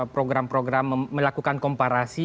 program program melakukan komparasi